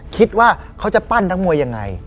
คิดว่าเขาจะปั้นนักมวยยังไง